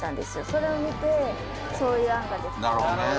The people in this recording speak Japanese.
それを見てそういう案が出た。